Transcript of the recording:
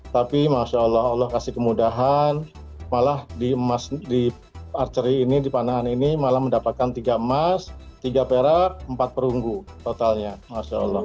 tapi masya allah allah kasih kemudahan malah di archery ini di panahan ini malah mendapatkan tiga emas tiga perak empat perunggu totalnya masya allah